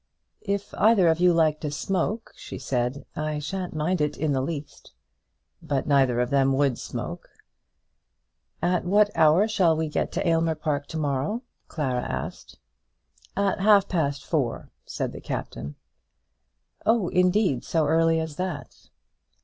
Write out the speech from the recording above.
"If either of you like to smoke," she said, "I shan't mind it in the least." But neither of them would smoke. "At what hour shall we get to Aylmer Park to morrow?" Clara asked. "At half past four," said the Captain. "Oh, indeed; so early as that."